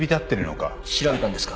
調べたんですか？